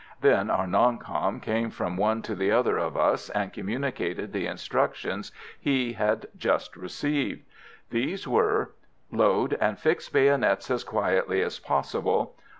Then our "non com" came from one to the other of us and communicated the instructions he had just received. These were: "Load, and fix bayonets as quietly as possible.